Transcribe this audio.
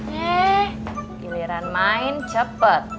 nih giliran main cepet